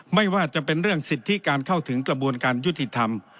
ไม่ว่าจะเป็นเรื่องสิทธิการเข้าถึงกระบวนการยุติธรรม